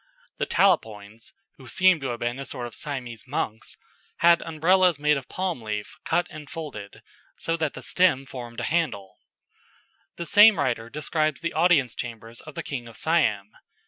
The Talapoins (who seem to have been a sort of Siamese monks) had Umbrellas made of a palm leaf cut and folded, so that the stem formed a handle. The same writer describes the audience chamber of the King of Siam.